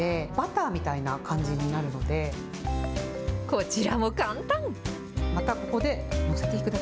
こちらも簡単。